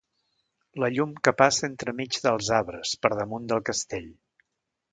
La llum que passa entremig dels arbres, per damunt del castell...